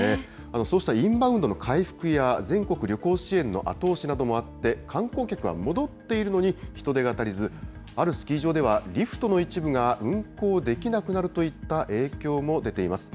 そうしたインバウンドの回復や全国旅行支援の後押しなどもあって、観光客が戻っているのに人手が足りず、あるスキー場ではリフトの一部が運行できなくなるといった影響も出ています。